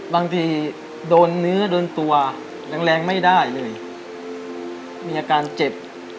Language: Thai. บางทีโดนเนื้อโดนตัวแรงแรงไม่ได้เลยมีอาการเจ็บ